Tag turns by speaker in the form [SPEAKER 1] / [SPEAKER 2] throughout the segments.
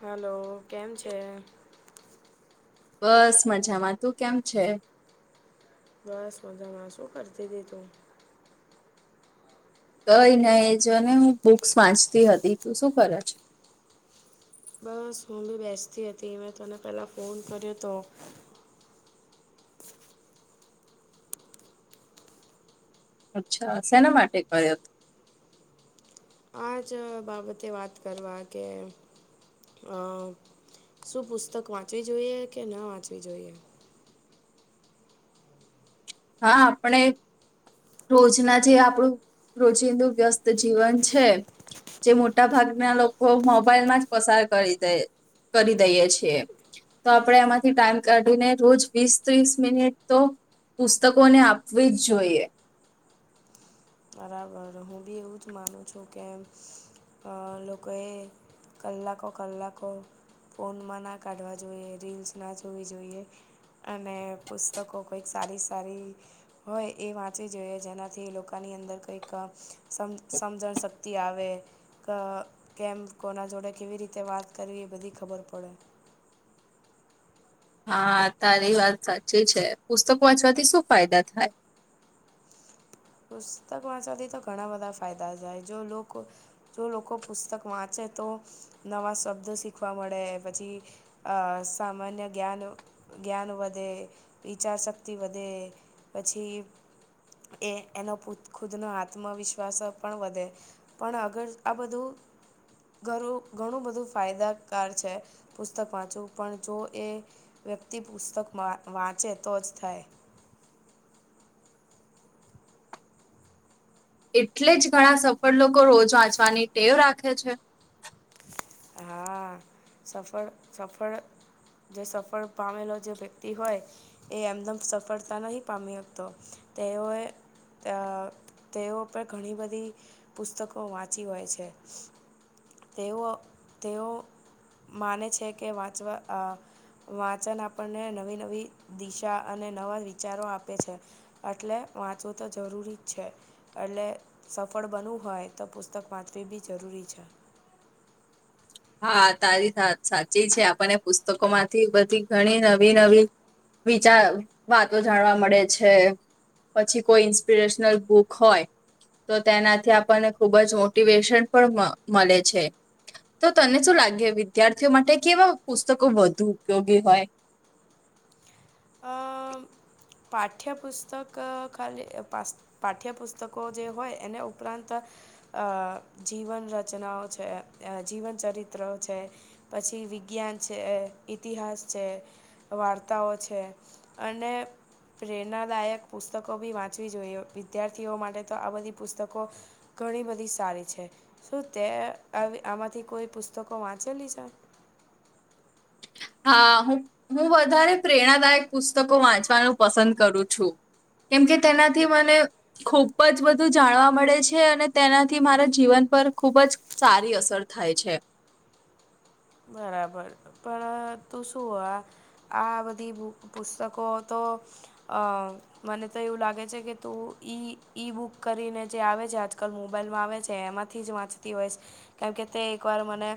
[SPEAKER 1] Hello. કેમ છે?
[SPEAKER 2] બસ મજામાં. તું કેમ છે?
[SPEAKER 1] બસ મજામાં. શું કરતી તી તું?
[SPEAKER 2] કઈ નઈ એ જો ને હું બુક્સ વાંચતી હતી. તું શું કરે?
[SPEAKER 1] બસ હું બી બેસતી હતી. મેં તને પેલા ફોન કર્યો હતો.
[SPEAKER 2] અચ્છા. શેના માટે કર્યો તો?
[SPEAKER 1] આ જ બાબતે વાત કરવા કે અ શું પુસ્તક વાંચવી જોઈએ કે ના વાંચવી જોઈએ?
[SPEAKER 2] હા આપણે રોજના જે આપણું રોજિંદું વ્યસ્ત જીવન છે. જે મોટા ભાગના લોકો મોબાઈલ માં જ પસાર કરી દે કરી દઈએ છીએ. તો આપણે એમાંથી ટાઈમ કાઢીને રોજ વીસ ત્રીસ મિનિટ તો પુસ્તકો ને આપવી જ જોઈએ.
[SPEAKER 1] બરાબર હું બી એવું જ માનું છું. કે અ લોકોએ કલાકો કલાકો ફોનમાં ના કાઢવા જોઈએ. રીલ્સ ના જોવી જોઈએ. અને પુસ્તકો કંઈક સારી સારી હોય એ વાંચવી જોઈએ. જેનાથી એ લોકો આની અંદર કહી ક સમ સમજણ શક્તિ આવે. ક કેમ કોના જોડે કેવી રીતે વાત કરવી એ બધી ખબર પડે.
[SPEAKER 2] હા તારી વાત સાચી છે. પુસ્તક વાંચવાથી શું ફાયદા થાય?
[SPEAKER 1] પુસ્તક વાંચવાથી તો ઘણા બધા ફાયદા થાય. જો લોકો જો લોકો પુસ્તક વાંચે તો નવા શબ્દો શીખવા મળે. પછી અ સામાન્ય જ્ઞાન જ્ઞાન વધે, વિચારશક્તિ વધે પછી એ એનો ખુદનો આત્મવિશ્વાસ પણ વધે. પણ અગર આ બધું ઘરું ઘણું બધું ફાયદાકાર છે. પુસ્તક વાંચવું પણ જો એ વ્યક્તિ પુસ્તક વા વાંચે તો જ થાય
[SPEAKER 2] એટલે જ ઘણા સફળ લોકો રોજ વાંચવાની ટેવ રાખે છે
[SPEAKER 1] હા સફળ સફળ જે સફળ પામેલો જે વ્યક્તિ હોય એ એમદમ સફળતા નહી પામી હતો તેઓએ તેઓ પર ઘણી બધી પુસ્તકો વાંચી હોય છે તેઓ તેઓ માને છે કે વાંચવા? અ વાંચન આપણને નવી નવી દિશા અને નવા વિચારો આપે છે એટલે વાંચવું તો જરૂરી જ છે એટલે સફળ બનવું હોય તો પુસ્તક વાંચવી બી જરૂરી છે
[SPEAKER 2] હા તારી સા સાચી છે આપણને પુસ્તકો માંથી બધી ઘણી નવી નવી વિચાર વાતો જાણવા મળે છે પછી કોઈ ઇન્સ્પિરેશનલ બુક હોય તો તેનાથી આપણને ખુબ જ મોટિવેશન પણ મળે છે તો તને શું લાગે વિદ્યાર્થીઓ માટે કે એવા પુસ્તકો વધુ ઉપયોગી હોય
[SPEAKER 1] અ પાઠ્યપુસ્તક ખાલી પાસ પાઠ્યપુસ્તકો જે હોય એને ઉપરાંત અ જીવન રચનાઓ છે જીવન ચરિત્ર છે પછી વિજ્ઞાન છે ઇતિહાસ છે વાર્તાઓ છે છે અને પ્રેરણાદાયક પુસ્તકો બી વાંચવી જોઈએ. વિદ્યાર્થીઓ માટે તો આ બધી પુસ્તકો ઘણી બધી સારી છે. શું તે આવી આમાંથી કોઈ પુસ્તકો વાંચેલી છે?
[SPEAKER 2] હા હું હું વધારે પ્રેરણાદાયક પુસ્તકો વાંચવાનું પસંદ કરું છું. કેમ કે તેનાથી મને ખૂબ જ બધું જાણવા મળે છે અને તેનાથી મારા જીવન પર ખૂબ જ સારી અસર થાય છે.
[SPEAKER 1] બરાબર. પણ તું શું આ આ બધી બૂ પુસ્તકો તો અ મને તો એવું લાગે છે કે તું ઈ ઈ બુક કરીને જે આવે છે. આજકલ મોબાઈલમાં આવે છે એમાં થી જ વાંચતી હોઈશ. કેમ કે તે એક વાર મને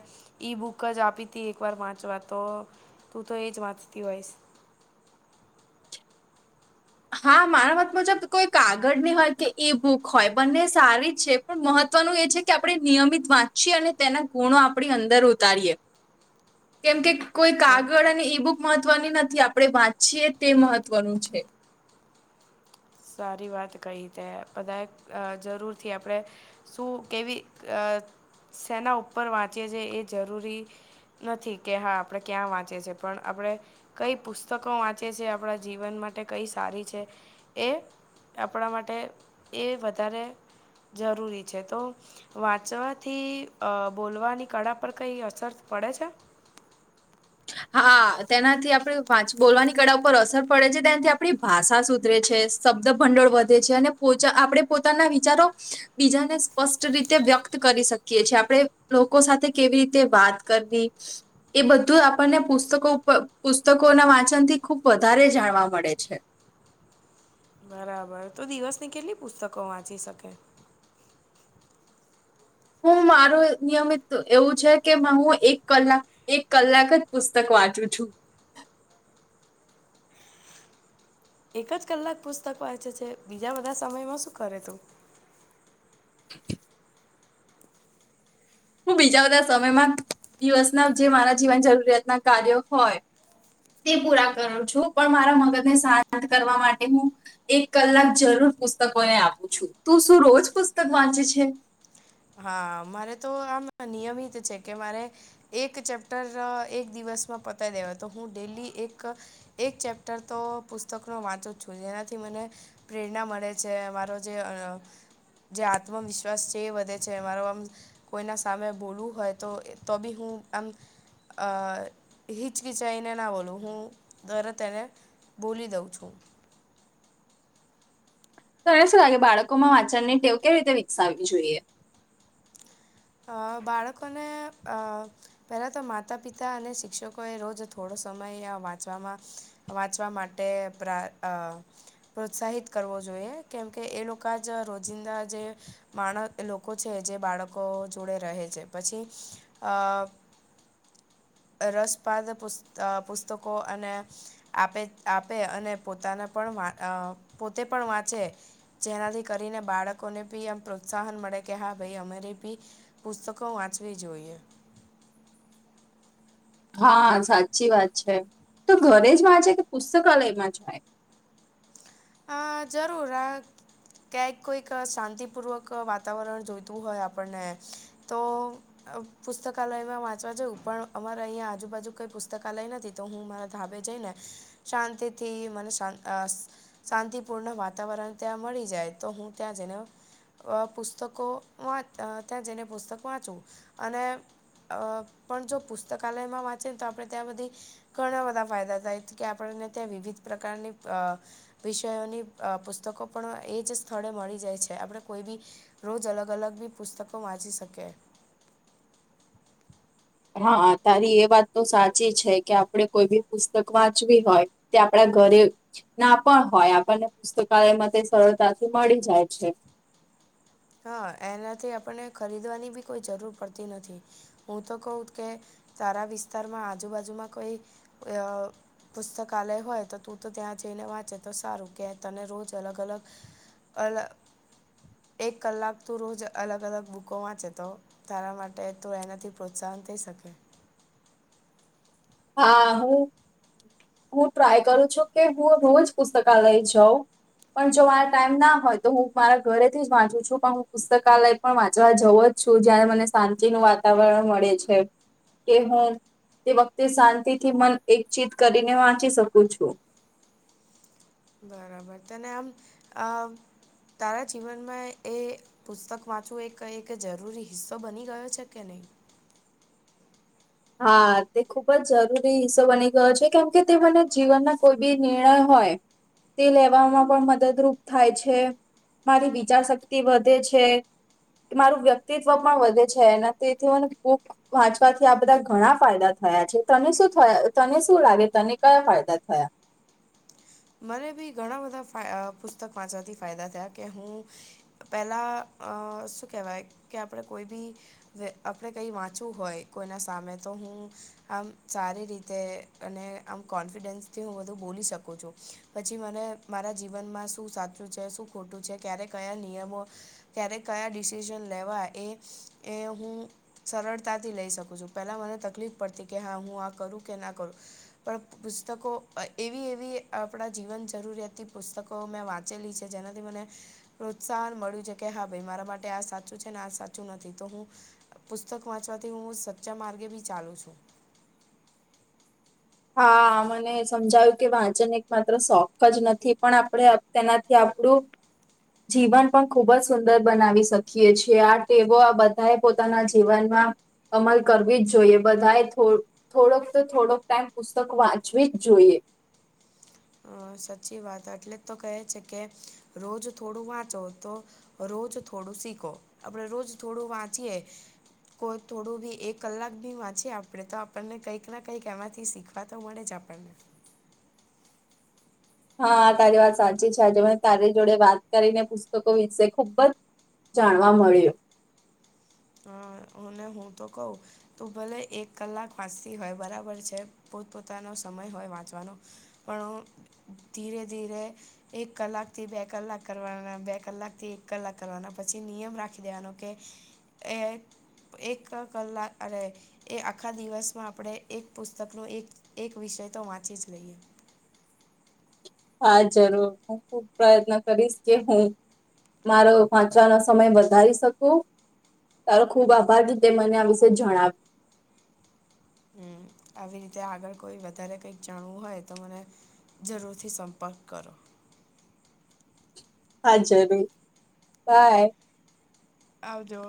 [SPEAKER 1] ઈ બુ ક જ આપીતી એક વાર વાંચવા. તો તું તો એ જ વાંચતી હોઈશ.
[SPEAKER 2] હા મારા મત મુજબ કોઈ કાગળની હોય કે એ બુક હોય બંને સારી જ છે. પણ મહત્વનું એ છે કે આપણે નિયમિત વાંચીએ અને તેના ગુણો આપણી અંદર ઉતારીએ. કેમ કે કોઈ
[SPEAKER 1] અ
[SPEAKER 2] કાગળ અને ઈ બુક મહત્વની નથી, આપણે વાંચીએ તે મહત્વનું છે.
[SPEAKER 1] સારી વાત કહી તે. બધાએ અ જરૂરથી આપણે શું કેવી અ શેના ઉપર વાંચીએ છીએ એ જરૂરી નથી કે હા આપણે ક્યાં વાંચીએ છીએ પણ આપણે કઈ પુસ્તકો વાંચીએ છીએ, આપણા જીવન માટે કઈ સારી છે. એ આપણા માટે એ વધારે જરૂરી છે તો વાંચવાથી અ બોલવાની કળા પર કઈ અસર પડે છે?
[SPEAKER 2] હા તેનાથી આપણી વાચ બોલવાની કળા ઉપર અસર પડે છે. તેનાથી આપણી ભાષા સુધરે છે. શબ્દ ભંડોળ વધે છે. અને પોચા આપણે પોતાના વિચારો બીજાને સ્પષ્ટ રીતે વ્યક્ત કરી શકીએ છીએ. આપણે લોકો સાથે કેવી રીતે વાત કરવી. એ બધું આપ આપણને પુસ્તકો ઉપર પુસ્તકોના વાંચનથી ખુબ વધારે જાણવા મળે છે.
[SPEAKER 1] બરાબર. તું દિવસની કેટલી પુસ્તકો વાંચી શકે?
[SPEAKER 2] હું મારું નિયમિત એવું છે કે હું એક કલાક એક કલાક જ પુસ્તક વાંચું છું.
[SPEAKER 1] એક જ કલાક પુસ્તક વાંચે છે? બીજા બધા સમયમાં શું કરે તું?
[SPEAKER 2] હું બીજા બધા સમયમાં દિવસના જે મારા જીવન જરૂરિયાતના કાર્ય હોય. તે પૂરા કરું છું. પણ મારા મગજને શાંત કરવા માટે હું એક કલાક જરૂર પુસ્તકોને આપું છું. તું શું રોજ પુસ્તક વાંચે છે?
[SPEAKER 1] હા મારે તો આમ નિયમિત છે કે મારે એક ચેપ્ટર એક દિવસમાં પતાવી દેવા. તો હું ડેલી એક એક ચેપ્ટર તો પુસ્તકનો વાચું જ છું. જેનાથી મને પ્રેરણા મળે છે. મારો જે જે આત્મવિશ્વાસ છે એ વધે છે. મારો આમ કોઈના સામે બોલવું હોય તો તો બી હું આમ અ હિચકિચાઈને ના બોલું હું તરત એને બોલી દઉં છું.
[SPEAKER 2] તને શું લાગે બાળકોમાં વાંચનની ટેવ કેવી રીતે વિકસાવવી જોઈએ?
[SPEAKER 1] અ બાળકોને અ પહેલા તો માતા પિતા અને શિક્ષકોએ રોજ થોડો સમય આ વાંચવામાં વાંચવા માટે પ્રા અ પ્રોત્સાહિત કરવો જોઈએ. કેમ કે એ લોકા જ રોજિંદા જે માણ લોકો છે. જે બાળકો જોડે રહે છે પછી અ રસપાદ પુસ અ પુસ્તકો અને આપે આપે અને પોતાને પણ વા અ પોતે પણ વાંચે. જેનાથી કરીને બાળકોને બી આમ પ્રોત્સાહન મળે કે હા ભાઈ અમારે બી પુસ્તકો વાંચવી જોઈએ.
[SPEAKER 2] હા સાચી વાત છે તો ઘરે જ વાંચે કે પુસ્તકાલયમાં જાય?
[SPEAKER 1] હા જરૂર આ ક્યાંક કોઈક શાંતિપૂર્વક વાતાવરણ જોઈતું હોય આપણને તો પુસ્તકાલયમાં વાંચવા જઉં પણ અમારે અહીંયા આજુબાજુ કઈ પુસ્તકાલય નથી તો હું મારા ધાબે જઈ ને શાંતિ થી મને શાંતિપૂર્ણ વાતાવરણ ત્યાં મળી જાય તો હું ત્યાં જઈને પુસ્તકો વા ત્યાં જઈને પુસ્તક વાંચવું અને પણ જો પુસ્તકાલયમાં વાંચી ને તો આપણે ત્યાં બધી ઘણા બધા ફાયદા થાય કે આપણને ત્યાં વિવિધ પ્રકારની વિષયોની પુસ્તકો પણ એ જ સ્થળે મળી જાય છે આપણે કોઈ બી રોજ અલગ અલગ બી પુસ્તકો વાંચી શકે.
[SPEAKER 2] હા, તારી એ વાત તો સાચી છે કે આપણે કોઈ બી પુસ્તક વાંચવી હોય તે આપણા ઘરે ના પણ હોય આપણને પુસ્તકાલયમાં તે સરળતાથી મળી જાય છે.
[SPEAKER 1] હા, એનાથી આપણને ખરીદવાની બી કોઈ જરૂર પડતી નથી. હું તો કઉ કે તારા વિસ્તારમાં આજુબાજુમાં કોઈ પુસ્તકાલય હોય તો તું તો ત્યાં જઈને વાંચે તો સારું કે તને રોજ અલગ અલગ અલગ એક કલાક તું રોજ અલગ અલગ બુકો વાંચે તો તારા માટે તો એનાથી પ્રોત્સાહન થઈ શકે.
[SPEAKER 2] હા, હું હું ટ્રાય કરું છું કે હું રોજ પુસ્તકાલય જાઉં. પણ જો મારા ટાઈમ ના હોય તો હું મારા ઘરેથી જ વાંચુ છું પણ હું પુસ્તકાલય પણ વાંચવા જવું જ છું જયારે મને શાંતિનું વાતાવરણ મળે છે. કે હું તે વખતે શાંતિથી મન એકચિત કરીને વાંચી શકું છું.
[SPEAKER 1] બરાબર તને આમ તારા જીવનમાં એ પુસ્તક વાંચવું એક એક જરૂરી હિસ્સો બની ગયો છે કે નહીં?
[SPEAKER 2] હા, તે ખૂબ જ જરૂરી હિસ્સો બની ગયો છે કેમ કે તે મને જીવનના કોઈ બી નિર્ણય હોય તે લેવામાં પણ મદદરૂપ થાય છે. મારી વિચાર શક્તિ વધે છે. મારું વ્યક્તિત્વ પણ વધે છે એના તેથી મને બુક વાંચવાથી બધા ઘણા ફાયદા થયા છે તને શું થયા તને શું લાગે તને કયા ફાયદા થયા.
[SPEAKER 1] મને બી ઘણા બધા ફા પુસ્તક વાંચવાથી ફાયદા થયા કે હું પેલા અ શું કેહેવાય કે આપણે કોઈ બી આપણે કઈ વાંચવું હોય કોઈના સામે તો હું આમ સારી રીતે અને આમ કોન્ફિડન્સથી હું બધું બોલી શકું છું. પછી મને મારા જીવનમાં શું સાચું છે શું ખોટું છે ક્યારે કયા નિયમો ક્યારે કયા ડિસિઝન લેવા એ એ હું સરળતાથી લઈ શકું છું પેલા મને તકલીફ પડતી કે હા હું આ કરું કે ના કરું. પણ પુસ્તકો એવી એવી આપણાં જીવન જરૂરિયાતી પુસ્તકો મેં વાંચેલી છે જેનાથી મને પ્રોત્સાહન મળ્યું છે કે હા ભાઈ મારા માટે આ સાચું છે ને આ સાચું નથી તો હું પુસ્તક વાંચવાથી હું સચ્ચા માર્ગે બી ચાલુ છું.
[SPEAKER 2] હા, મને સમજાવું કે વાંચન એક માત્ર શોખજ નથી પણ આપડણે તેનાથી આપણું જીવન પણ ખૂબ જ સુંદર બનાવી શકીએ છીએ આ ટેવો આ બધા એ પોતાના જીવનમાં અમલ કરવી જોઈએ બધાએ થોડોક તો થોડોક ટાઈમ પુસ્તક વાંચવી જ જોઈએ.
[SPEAKER 1] હા, સાચી વાત એટલે તો કહે છે કે રોજ થોડું વાંચો તો રોજ થોડું શીખો આપણે રોજ થોડું વાંચીએ. કોઈ થોડું બી એક કલાક ભી વાંચી આપડે તો આપણને કંઈક ના કંઈક એમાંથી શીખવા. પા તો મળેજ પણને.
[SPEAKER 2] હા તારી વાત સાચી છે આજે મે તારી જોડે વાત કરીને પુસ્તકો વિશે ખૂબજ. જાણવા મળ્યું.
[SPEAKER 1] હ અને હું તો કઉ તો ભલે એક કલાક વાંચતી હોય બરાબર છે પોતપોતાનો સમય હોય વાંચવાનો. પણ હું ધીરે ધીરે. એક કલાક થી બે કલાક કરવાના બે કલાક થી એક કલાક કરવાના પછી નિયમ રાખી દેવાનો કે એ એક કલાક અરે એ આખા દિવસમાં આપણે એક પુસ્તકનો એક એક વિષય તો વાંચીજ લઈએ.
[SPEAKER 2] હા જરૂર હું ખુબ પ્રયત્ન કરીશ કે હું. મારો વાંચવાનો સમય વધારી શકું. તારો ખુબ આભાર રતે મને આ વિશે જણાવ્યું.
[SPEAKER 1] હમ આવી રીતે આગળ કોઈ વધારે કંઈક જાણવું હોય તો મને. જરૂરથી સંપર્ક કરો.
[SPEAKER 2] હા જરૂર બાય.
[SPEAKER 1] આવજો.